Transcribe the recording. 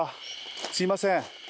すいません。